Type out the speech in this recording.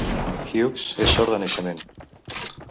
Hughes és sord de naixement.